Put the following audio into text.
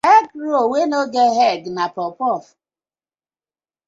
Egg roll wey no get egg na puff puff.